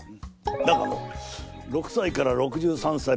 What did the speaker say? だがのう６歳から６３歳